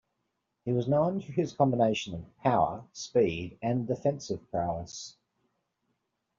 He was known for his combination of power, speed, and defensive prowess.